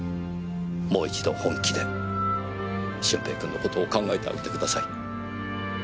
もう一度本気で駿平君の事を考えてあげてください。